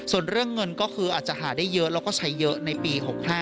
ส่วนเรื่องเงินก็คืออาจจะหาได้เยอะแล้วก็ใช้เยอะในปี๖๕